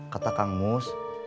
kata kang mus